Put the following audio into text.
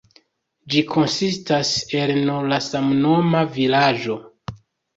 Ĝi konsistas el nur la samnoma vilaĝo.